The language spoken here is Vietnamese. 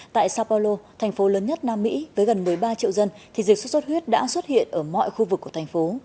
tại sao paulo thành phố lớn nhất nam mỹ với gần một mươi ba triệu dân thì dịch xuất xuất huyết đã xuất hiện ở mọi khu vực của thành phố